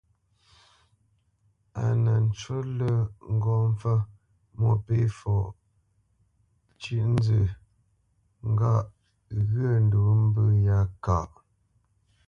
A nə ncú lə́ ŋgó mpfə́ Mwôpéfɔ cʉ́ʼnzə ŋgâʼ ghyə̂ ndǔ mbə̂ yá káʼ.